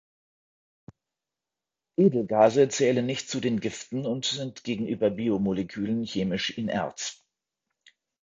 Edelgase zählen nicht zu den Giften und sind gegenüber Biomolekülen chemisch inert.